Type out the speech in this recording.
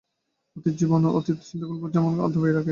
অতীত জীবন এবং অতীত চিন্তাগুলির ভূত যেন আমাদিগকে দাবাইয়া রাখে।